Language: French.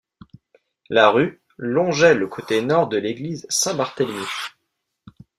La rue longeait le côté nord de l'église Saint-Barthélemy.